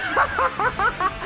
ハハハハ！